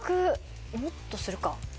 もっとするか。